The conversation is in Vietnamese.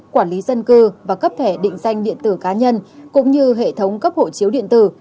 quản lý dân cư và cấp thẻ định danh điện tử cá nhân cũng như hệ thống cấp hộ chiếu điện tử